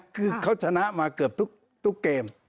คือเขาชนะมาเกือบทุกเกม